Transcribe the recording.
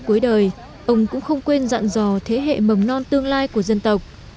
trong cuối đời ông cũng không quên dặn dò thế hệ mầm non tương lai của dân tộc